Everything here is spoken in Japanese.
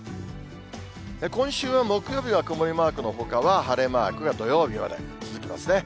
今週は木曜日は曇りマークのほかは、晴れマークが土曜日まで続きますね。